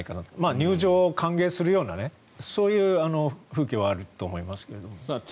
入場を歓迎するようなそういう風景はあると思いますけど。